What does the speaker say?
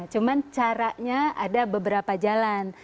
cuma caranya ada beberapa jalan